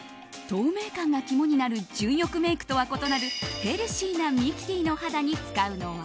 透明感が肝になる純欲メイクとは異なるヘルシーなミキティの肌に使うのは。